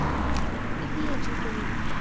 اتنی ہی عجیب لگے گی۔